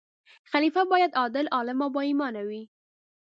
خلیفه باید عادل، عالم او با ایمان وي.